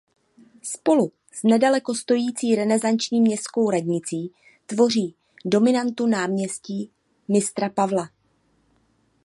Spolu s nedaleko stojící renesanční městskou radnicí tvoří dominantu Náměstí Mistra Pavla.